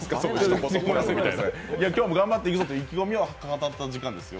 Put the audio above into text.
今日は頑張っていくぞって意気込みを語った時間ですよ。